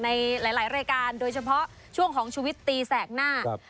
ในหลายรายการโดยเฉพาะช่วงของชุวิตตีแสกหน้า